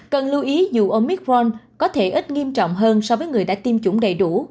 cần lưu ý dù omicron có thể ít nghiêm trọng hơn so với người đã tiêm chủng đầy đủ